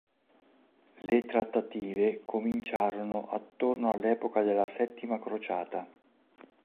Le trattative cominciarono attorno all'epoca della Settima crociata.